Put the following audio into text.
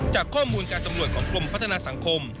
จากข้อมูลการตำรวจของกรมพัฒนาสังคม